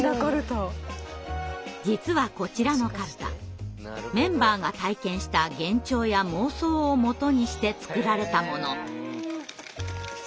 実はこちらのかるたメンバーが体験した幻聴や妄想をもとにして作られたもの。